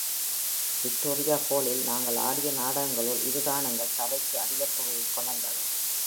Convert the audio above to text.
Victoria ஹாலில் நாங்கள் ஆடிய நாடகங்களுள் இதுதான் எங்கள் சபைக்கு அதிகத் தொகையைக் கொணர்ந்தது.